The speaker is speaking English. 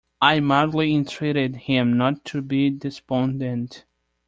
I mildly entreated him not to be despondent.